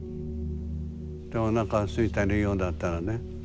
おなかすいてるようだったらね